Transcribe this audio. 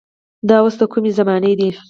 دا اوس د کومې زمانې دي.